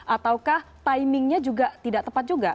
ataukah timingnya juga tidak tepat juga